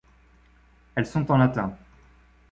Elles sont en latin.